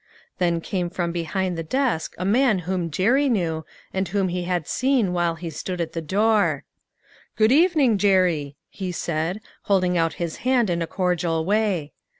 Then came from behind the desk a man whom Jerry knew and whom he had seen while he stood at the door. " Good evening, Jerry," he said, holding out his hand in a, cordial way.